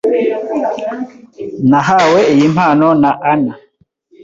Nahawe iyi mpano na Ann.